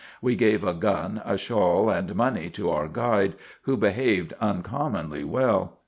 We gave a gun, a shawl, and money, to our guide, who behaved uncommonly well.